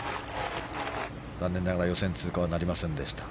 残念ながら予選通過はなりませんでした。